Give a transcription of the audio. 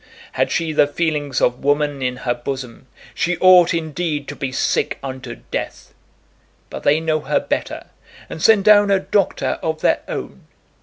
Had she the feelings of woman in her bosom she ought indeed to be sick unto death. But they know her better, and send down a doctor of their own.